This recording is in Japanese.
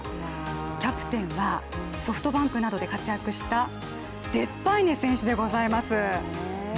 キャプテンはソフトバンクなどで活躍したデスパイネ選手です。